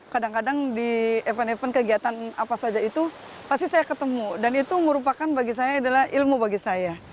kadang kadang di event event kegiatan apa saja itu pasti saya ketemu dan itu merupakan bagi saya adalah ilmu bagi saya